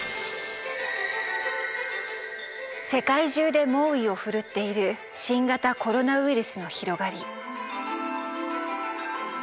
世界中で猛威をふるっている新型コロナウイルスの広がり。